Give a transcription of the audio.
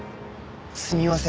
すみません。